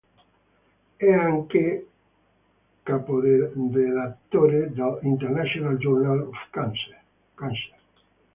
È anche caporedattore dell"'International Journal of Cancer".